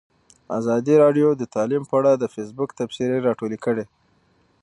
ازادي راډیو د تعلیم په اړه د فیسبوک تبصرې راټولې کړي.